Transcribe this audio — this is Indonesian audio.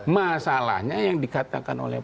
masalahnya yang dikatakan oleh